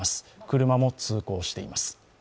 車も通行しています。